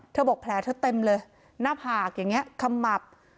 บอกแผลเธอเต็มเลยหน้าผากอย่างนี้ขมับ